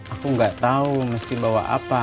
aku gak tau mesti bawa apa